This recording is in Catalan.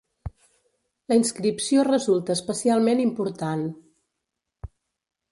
La inscripció resulta especialment important.